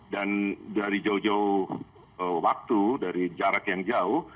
dan dari jauh jauh waktu dari jarak yang jauh